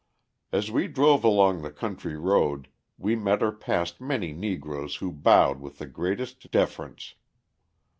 As we drove along the country road we met or passed many Negroes who bowed with the greatest deference.